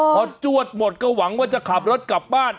พอจวดหมดก็หวังว่าจะขับรถกลับบ้าน